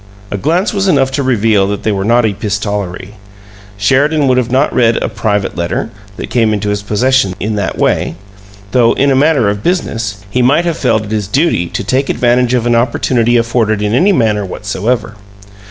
A glance was enough to reveal that they were not epistolary. Sheridan would not have read a "private letter" that came into his possession in that way, though in a "matter of business" he might have felt it his duty to take advantage of an opportunity afforded in any manner whatsoever.